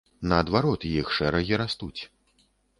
Наадварот, іх шэрагі растуць.